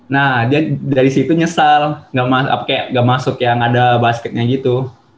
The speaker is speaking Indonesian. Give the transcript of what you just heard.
nah dia dari situ nyesal nggak masuk yang ada basketnya gitu